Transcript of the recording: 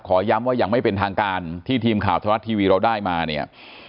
ย้ำว่าอย่างไม่เป็นทางการที่ทีมข่าวธรรมรัฐทีวีเราได้มาเนี่ย